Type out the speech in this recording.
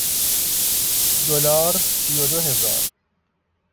دلار سی و دو هزار